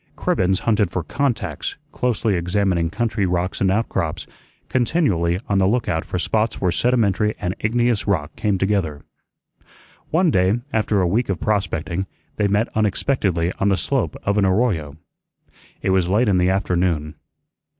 Cribbens hunted for "contacts," closely examining country rocks and out crops, continually on the lookout for spots where sedimentary and igneous rock came together. One day, after a week of prospecting, they met unexpectedly on the slope of an arroyo. It was late in the afternoon.